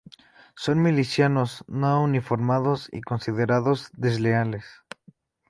Son milicianos, no uniformados, y considerados desleales.